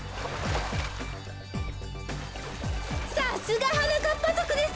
さすがはなかっぱぞくです。